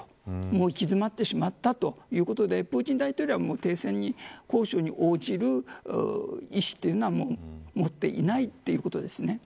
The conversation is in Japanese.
もう行き詰まってしまったということでプーチン大統領は停戦交渉に応じる意思というのは持っていないということです。